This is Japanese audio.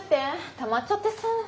たまっちゃってさ。